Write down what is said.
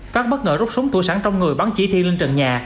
pháp bất ngờ rút súng thủ sẵn trong người bắn chỉ thiên lên trận nhà